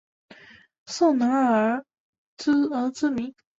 宋能尔而知名。